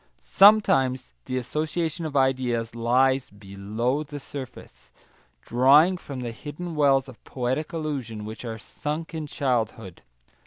Sometimes the association of ideas lies below the surface, drawing from the hidden wells of poetic illusion which are sunk in childhood.